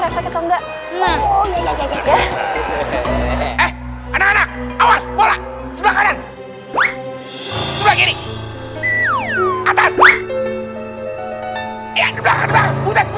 atau enggak nah ada ada awas sebuah kanan sebagian atas atas